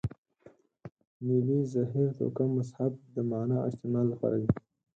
نیلې، زهیر، توکم، مهذب د معنا او استعمال لپاره دي.